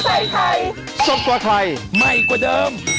สวัสดีค่ะ